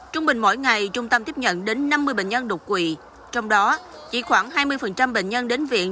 trung bình mỗi ngày trung tâm tiếp nhận đến năm mươi bệnh nhân đột quỵ trong đó chỉ khoảng hai mươi bệnh nhân đến viện